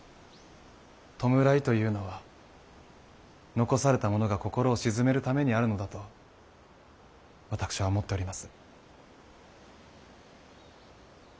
弔いというのは残された者が心を鎮めるためにあるのだと私は思っております。